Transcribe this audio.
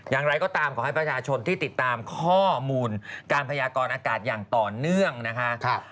อย่างไรก็ตามขอให้ประชาชนที่ติดตามข้อมูลการพยากรอากาศอย่างต่อเนื่องนะคะ